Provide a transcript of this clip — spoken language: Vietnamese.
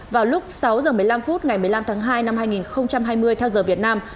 vào lúc sáu h một mươi năm phút ngày một mươi năm tháng hai năm hai nghìn hai mươi theo giờ việt nam